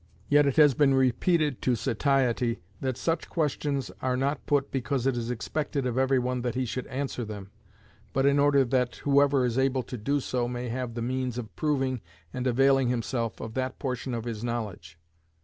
Yet it has been repeated to satiety that such questions are not put because it is expected of every one that he should answer them, but in order that whoever is able to do so may have the means of proving and availing himself of that portion of his knowledge.